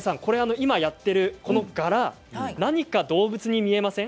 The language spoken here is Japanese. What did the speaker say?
今やっているこの柄何か動物に見えません？